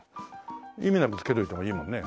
意味なくつけれるのがいいもんね。